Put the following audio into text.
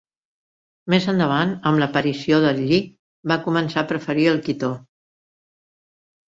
Més endavant, amb l'aparició del lli, van començar a preferir el quitó.